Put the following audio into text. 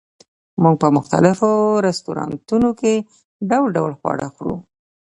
موږ په مختلفو رستورانتونو کې ډول ډول خواړه خورو